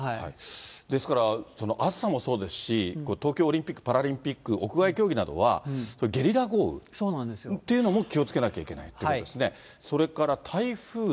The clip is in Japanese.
ですから、暑さもそうですし、東京オリンピック・パラリンピック屋外競技などは、ゲリラ豪雨っていうのも気をつけなきゃいけないということですね。